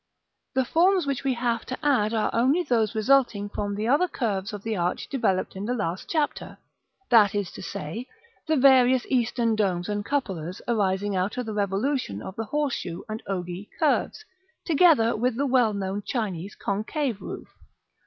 The forms which we have to add are only those resulting from the other curves of the arch developed in the last chapter; that is to say, the various eastern domes and cupolas arising out of the revolution of the horseshoe and ogee curves, together with the well known Chinese concave roof.